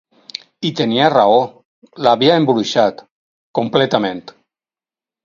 I tenia raó, l'havia embruixat, completament.